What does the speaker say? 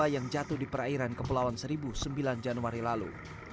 yang jatuh di perairan kepulauan seribu sembilan januari lalu